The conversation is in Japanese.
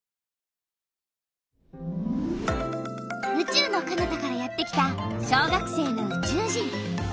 うちゅうのかなたからやってきた小学生のうちゅう人。